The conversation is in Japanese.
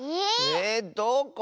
えどこ？